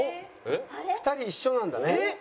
２人一緒なんだね。